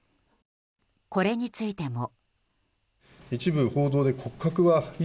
これについても。